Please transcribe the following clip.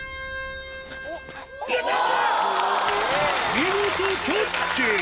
見事キャッチ。